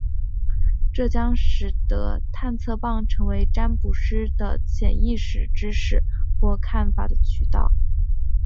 这将使得探测棒成为占卜师的潜意识知识或看法的管道。